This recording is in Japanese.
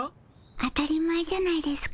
当たり前じゃないですか。